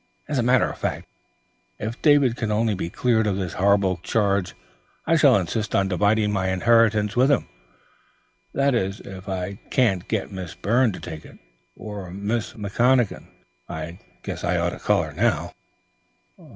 As a matter of fact, if David can only be cleared of this horrible charge, I shall insist on dividing my inheritance with him. That is, if I can't get Miss Byrne to take it, or Miss McConachan, as I ought to call her now."